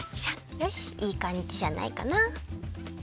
よしいいかんじじゃないかな。